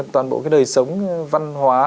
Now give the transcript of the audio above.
toàn bộ cái đời sống văn hóa